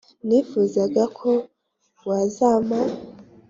nifuzaga ko wazampa”